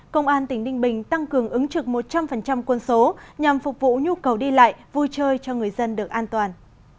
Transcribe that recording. công an tỉnh ninh bình tăng cường ứng trực một trăm linh quân số nhằm phục vụ nhu cầu đi lại vui chơi cho người dân được an toàn